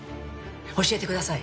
教えてください。